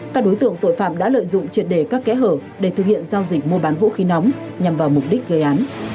các đối tượng tội phạm đã lợi dụng triệt đề các kẽ hở để thực hiện giao dịch mua bán vũ khí nóng nhằm vào mục đích gây án